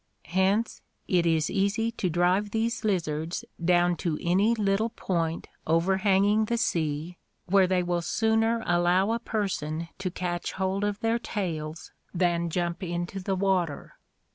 Hence it is easy to drive these lizards down to any little point overhanging 78 ORGANIC EVOLUTION the sea, where they will sooner allow a person to catch hold of their tails than jump into the water.